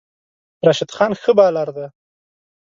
راشد خان ښه بالر دی